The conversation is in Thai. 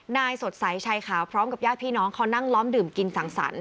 สดใสชัยขาวพร้อมกับญาติพี่น้องเขานั่งล้อมดื่มกินสังสรรค